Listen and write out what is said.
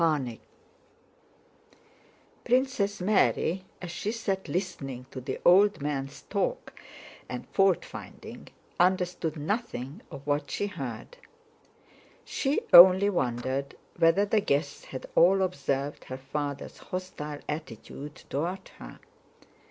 CHAPTER IV Princess Mary as she sat listening to the old men's talk and faultfinding, understood nothing of what she heard; she only wondered whether the guests had all observed her father's hostile attitude toward her.